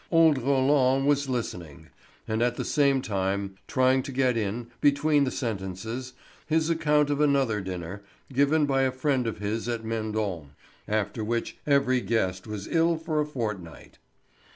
Old Roland was listening, and at the same time trying to get in, between the sentences, his account of another dinner, given by a friend of his at Mendon, after which every guest was ill for a fortnight.